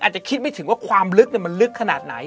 อาจจะคิดไม่ถึงว่าความลึกมันลึกขนาดไหน